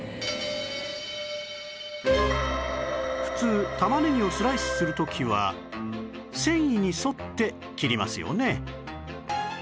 普通玉ねぎをスライスする時は繊維に沿って切りますよね